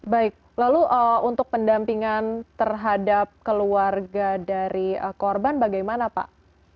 baik lalu untuk pendampingan terhadap keluarga dari korban bagaimana pak